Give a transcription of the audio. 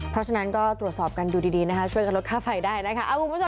เพราะฉะนั้นก็ตรวจสอบกันดูดีนะคะช่วยกับรถค่าไฟได้นะคะ